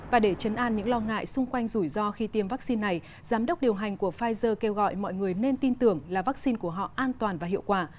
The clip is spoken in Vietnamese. và để chấn an những lo ngại xung quanh rủi ro khi tiêm vaccine này giám đốc điều hành của pfizer kêu gọi mọi người nên tin tưởng là vaccine của họ an toàn và hiệu quả